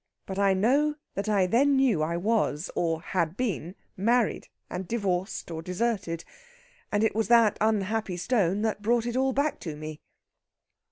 But I know that I then knew I was, or had been, married and divorced or deserted. And it was that unhappy stone that brought it all back to me."